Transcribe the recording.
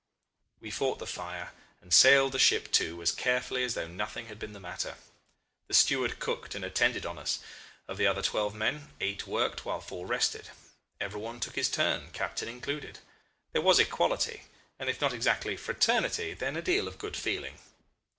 "We fought the fire and sailed the ship too as carefully as though nothing had been the matter. The steward cooked and attended on us. Of the other twelve men, eight worked while four rested. Everyone took his turn, captain included. There was equality, and if not exactly fraternity, then a deal of good feeling.